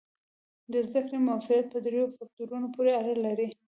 د زده کړې مؤثریت په دریو فکتورونو پورې اړه لري.